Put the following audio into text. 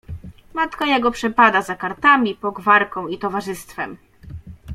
Matka jego przepada za kartami, pogwarką i towarzystwem.